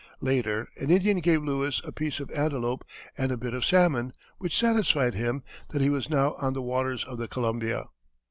Later an Indian gave Lewis a piece of antelope and a bit of salmon, which satisfied him that he was now on the waters of the Columbia.